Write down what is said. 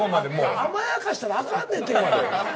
甘やかしたらあかんねんて。